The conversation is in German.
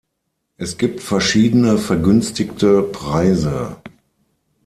Es gibt verschiedene vergünstigte Preise.